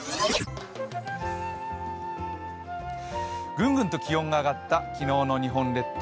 ぐんぐんと気温が上がった昨日の日本列島。